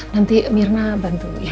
nanti mirna bantu ya